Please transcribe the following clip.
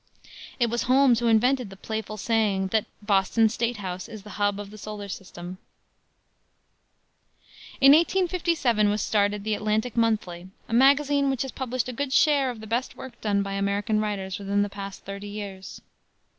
It was Holmes who invented the playful saying that "Boston State House is the hub of the solar system." In 1857 was started the Atlantic Monthly, a magazine which has published a good share of the best work done by American writers within the past thirty years.